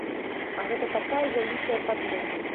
А гэта такая вялікая падмога.